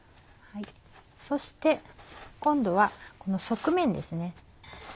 そして今度はこの側面です。